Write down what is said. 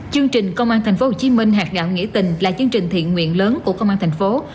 chương trình công an tp hcm hạt gạo nghĩa tình là chương trình thiện nguyện lớn của công an thành phố